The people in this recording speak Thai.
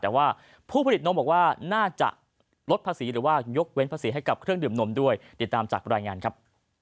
แต่ว่าผู้ผลิตนมบอกว่าน่าจะลดภาษีหรือว่ายกเว้นภาษีให้กับเครื่องดื่มนมด้วยติดตามจากรายงานครับ